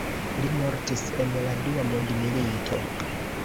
Li mortis en la Dua Mondmilito.